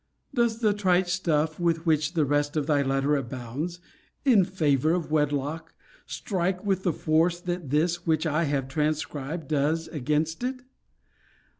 Does the trite stuff with which the rest of thy letter abounds, in favour of wedlock, strike with the force that this which I have transcribed does against it?